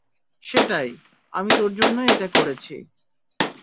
সেটাই, আমি তোর জন্যই এটা করেছি।